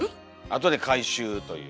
後で回収という。